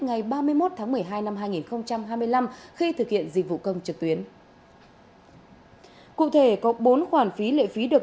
ngày ba mươi một tháng một mươi hai năm hai nghìn hai mươi năm khi thực hiện dịch vụ công trực tuyến cụ thể có bốn khoản phí lệ phí được